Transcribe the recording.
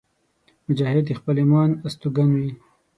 مجاهد د خپل ایمان استوګن وي.